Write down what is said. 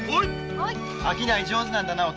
商い上手なんだなおたよ。